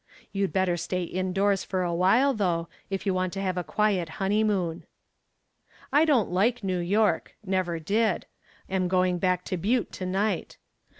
You'd better stay indoors for awhile though, if you want to have a quiet honeymoon. "I don't like New York. Never did. Am going back to Butte to night.